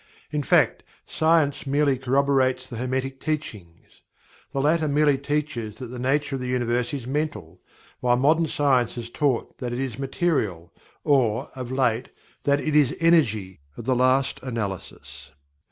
In fact, science merely corroborates the Hermetic Teachings. The latter merely teaches that the nature of the Universe is "Mental," while modern science has taught that it is "Material"; or (of late) that it is "Energy" at the last analysis.